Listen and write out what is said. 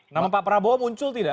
nama pak prabowo muncul tidak